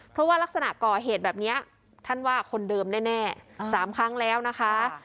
เพราะว่ารักษณะก่อเหตุแบบนี้ท่านว่าคนเดิมแน่๓ครั้งแล้วนะคะ